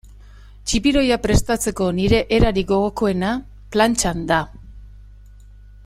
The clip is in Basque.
Txipiroia prestatzeko nire erarik gogokoena da plantxan da.